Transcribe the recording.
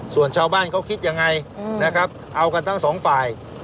ส่วนชาวบ้านเขาคิดยังไงนะครับเอากันทั้งสองฝ่าย